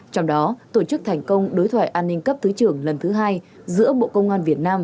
trong đó tổ chức thành công đối thoại an ninh cấp thứ trưởng lần thứ hai giữa bộ công an việt nam